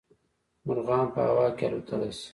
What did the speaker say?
مارغان په هوا کې الوتلی شي